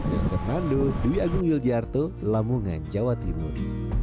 dari hernando dwi agung yuljiarto lamungan jawa timur